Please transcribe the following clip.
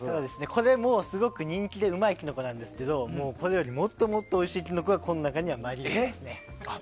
これも、すごく人気でうまいキノコなんですけどこれよりもっともっとおいしいキノコがこの中にはありますね。